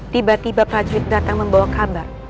tiba tiba prajurit datang membawa kabar